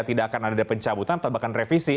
tidak akan ada pencabutan atau bahkan revisi